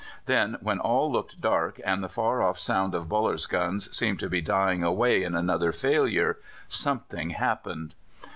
Then, when all looked dark, and the far off sound of Buller's guns seemed to be dying away in another failure, something happened.